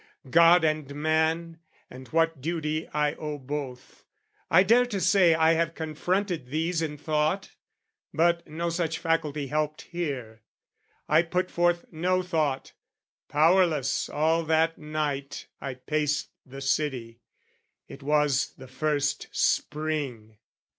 God and man, and what duty I owe both, I dare to say I have confronted these In thought: but no such faculty helped here. I put forth no thought, powerless, all that night I paced the city: it was the first Spring.